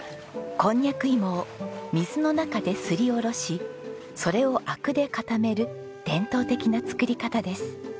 こんにゃく芋を水の中ですりおろしそれを灰汁で固める伝統的な作り方です。